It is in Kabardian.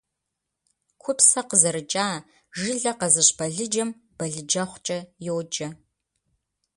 Купсэ къызэрыкӏа, жылэ къэзыщӏ балыджэм балыджэхъукӏэ йоджэ.